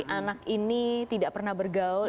anak ini tidak pernah bergaul